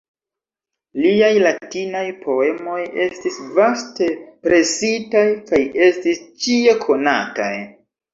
Liaj latinaj poemoj estis vaste presitaj kaj estis ĉie konataj.